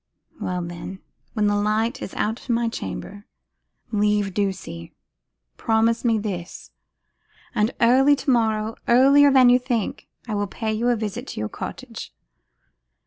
Well then, when the light is out in my chamber, leave Ducie. Promise me this, and early tomorrow, earlier than you think, I will pay a visit to your cottage.